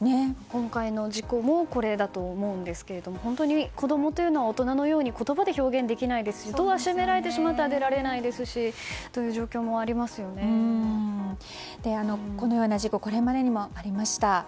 今回の事故もこれだと思うんですけど本当に子供というのは大人のように言葉で表現できないですしドアを閉められてしまったら出られないというこのような事故これまでにもありました。